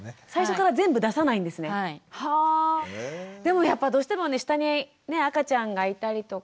でもやっぱどうしてもね下に赤ちゃんがいたりとか。